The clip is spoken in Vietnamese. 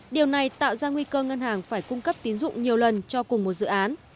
điều này tạo ra nguy cơ ngân hàng phải cung cấp tín dụng nhiều lần cho cùng một dự án